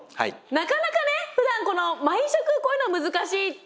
なかなかねふだんこの毎食こういうの難しいっていう。